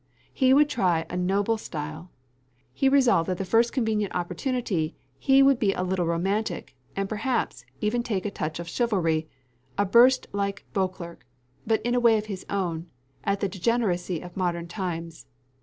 He would try a noble style. He resolved that the first convenient opportunity he would be a little romantic, and perhaps, even take a touch at chivalry, a burst like Beauclerc, but in a way of his own, at the degeneracy of modern times.